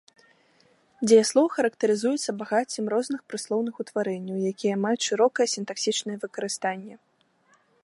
Дзеяслоў характарызуецца багаццем розных прыслоўных утварэнняў, якія маюць шырокае сінтаксічнае выкарыстанне.